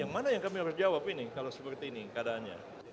yang mana yang kami harus jawab ini kalau seperti ini keadaannya